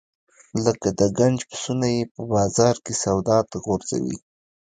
لکه د ګنج پسونه یې په بازار کې سودا ته غورځوي.